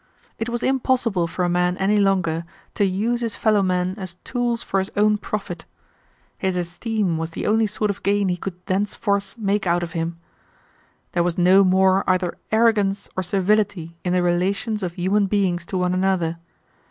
It was impossible for a man any longer to use his fellow men as tools for his own profit. His esteem was the only sort of gain he could thenceforth make out of him. There was no more either arrogance or servility in the relations of human beings to one another.